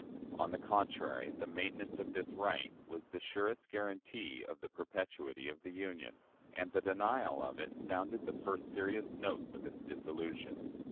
On the contrary, the maintenance of this right was the surest guarantee of the perpetuity of the Union, and the denial of it sounded the first serious note of its dissolution.